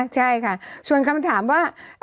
ใช่ค่ะส่วนคำถามว่า